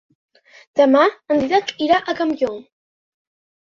Demà en Dídac irà a Campllong.